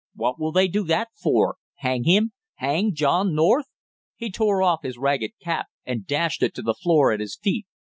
"What will they do that for hang him hang John North!" He tore off his ragged cap and dashed it to the floor at his feet.